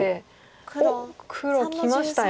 おっ黒きましたよ。